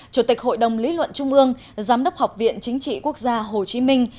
chủ tịch hội đồng lý luận trung ương giám đốc học viện chính trị quốc gia hồ chí minh